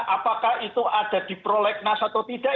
apakah itu ada di prolegnas atau tidak